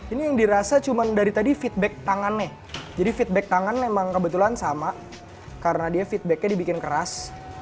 ini yang dirasa cuma dari tadi feedback tangannya jadi feedback tangan memang kebetulan sama karena dia feedbacknya dibikin keras